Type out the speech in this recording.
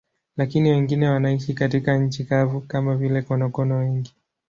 Lakini wengine wanaishi katika nchi kavu, kama vile konokono wengi.